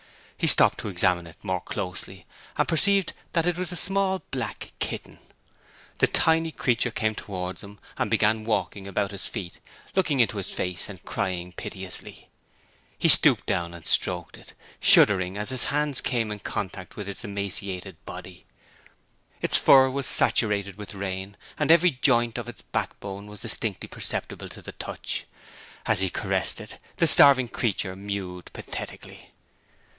He stopped to examine it more closely and perceived that it was a small black kitten. The tiny creature came towards him and began walking about his feet, looking into his face and crying piteously. He stooped down and stroked it, shuddering as his hands came in contact with its emaciated body. Its fur was saturated with rain and every joint of its backbone was distinctly perceptible to the touch. As he caressed it, the starving creature mewed pathetically.